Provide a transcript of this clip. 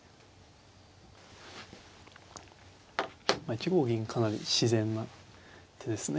１五銀かなり自然な手ですね。